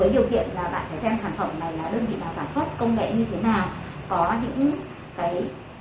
được với điều kiện là bạn phải xem sản phẩm này là đơn vị